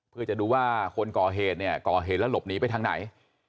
เพื่อจะดูว่าคนกอเฮนกอเฮนแล้วหลบหนีไปทางไหน